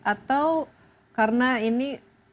atau karena ini